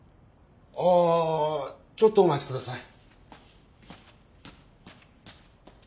ああちょっとお待ちください。